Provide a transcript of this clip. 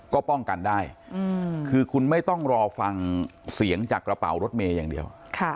ก็ป้องกันได้คือคุณไม่ต้องรอฟังเสียงจากกระเป๋ารถเมย์อย่างเดียว